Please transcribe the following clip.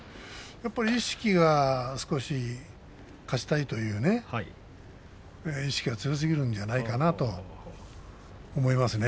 やっぱり、勝ちたいという意識が強すぎるんじゃないかなと思いますね。